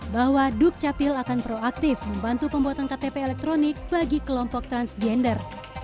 bahwa dukcapil akan proaktif membantu pembuatan ktp elektronik bagi kelompok transgender